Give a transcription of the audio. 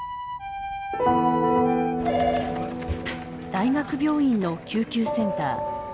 大学病院の救急センター。